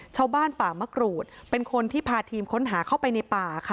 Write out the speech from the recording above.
ชาวบ้านป่ามะกรูดเป็นคนที่พาทีมค้นหาเข้าไปในป่าค่ะ